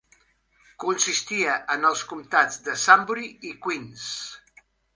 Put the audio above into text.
Consistia en els comptats de Sunbury i Queens.